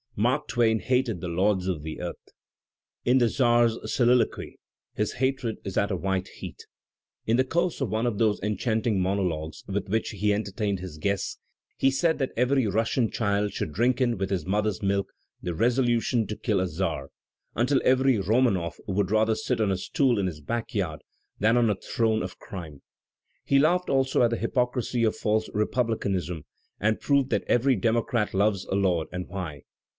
Mark Twain hated the lords of the earth. In "The Ozar's Sohl oquy " his hatred is at a white heat. In the course of one of those enchanting monologues with which he entertained his guests he said that every Russian child should drink in with his mother's milk the resolution to kill a czar, "until every Romanoff would rather sit on a stool in his back yard than on a throne of crime." He laughed also at the hypocrisy of false republicanism and proved that every democrat loves a lord and why.